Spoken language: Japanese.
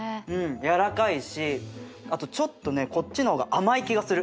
やわらかいしあとちょっとねこっちの方が甘い気がする。